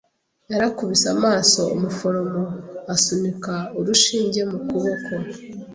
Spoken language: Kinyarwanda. Yarakubise amaso umuforomo asunika urushinge mu kuboko.